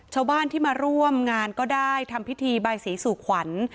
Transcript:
ชาวบ้านที่มาร่วมงานก็ได้ทำพิธีบายศรีสู่ขวัญ